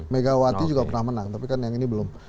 megawati juga pernah menang tapi kan yang ini belum